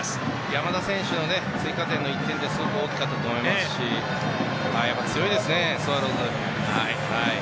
山田選手の追加点の１点がすごく大きかったと思いますし強いですね、スワローズ。